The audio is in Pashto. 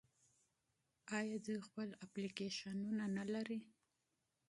آیا دوی خپل اپلیکیشنونه نلري؟